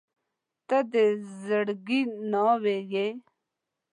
• ته د زړګي ناوې یې.